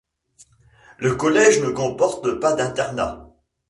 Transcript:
Le collège ne comporte pas d'internat.